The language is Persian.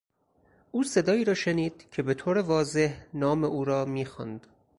او صدایی را شنید که به طور واضح نام او را میخواند.